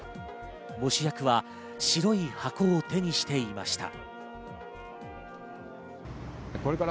喪主役は白い箱を手にしていました。